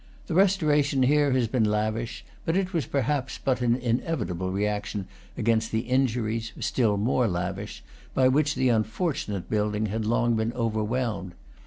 The restoration here has been lavish; but it was per haps but an inevitable reaction against the injuries, still more lavish, by which the unfortunate building had long been overwhelmed.